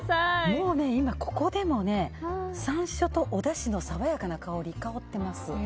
もうここでも山椒とおだしの爽やかな香り香ってます。